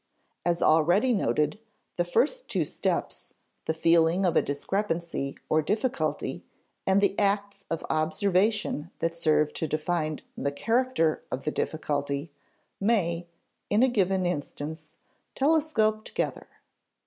As already noted, the first two steps, the feeling of a discrepancy, or difficulty, and the acts of observation that serve to define the character of the difficulty may, in a given instance, telescope together.